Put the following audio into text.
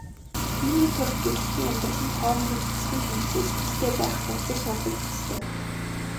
Юуны тулд гэрлэлтийн амьдрал нь хоорондын зохицлын шинжтэй сэтгэлтэй байх болзол шаардагдах ёстой.